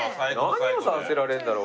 何をさせられるんだろう？